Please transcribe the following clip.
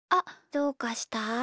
どうかした？